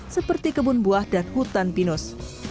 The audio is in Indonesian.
seperti kebun buah dan hutan pinus